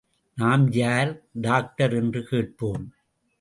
நாம், யார் டாக்டர் என்று கேட்போம்.